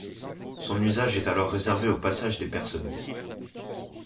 Son usage est alors réservé au passage des personnes.